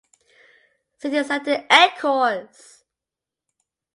City Center Encores!